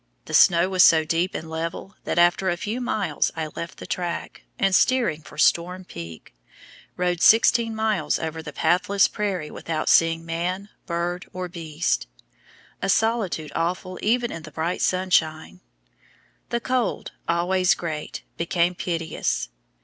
The snow was so deep and level that after a few miles I left the track, and steering for Storm Peak, rode sixteen miles over the pathless prairie without seeing man, bird, or beast a solitude awful even in the bright sunshine. The cold, always great, became piteous.